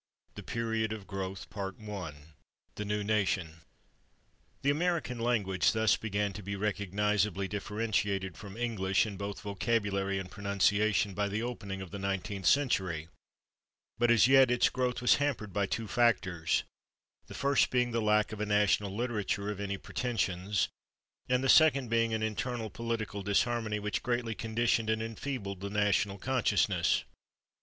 [Pg063] III The Period of Growth § 1 /The New Nation/ The American language thus began to be recognizably differentiated from English in both vocabulary and pronunciation by the opening of the nineteenth century, but as yet its growth was hampered by two factors, the first being the lack of a national literature of any pretentions and the second being an internal political disharmony which greatly conditioned and enfeebled the national consciousness.